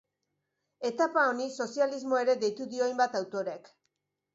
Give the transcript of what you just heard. Etapa honi sozialismo ere deitu dio hainbat autorek.